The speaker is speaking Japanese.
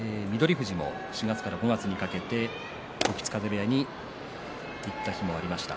富士も４月から５月にかけて時津風部屋に行った日もありました。